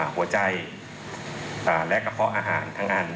หัวใจและกระเพาะอาหารทั้งอัน